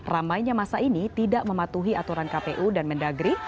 ramainya masa ini tidak mematuhi aturan kpu dan mendagri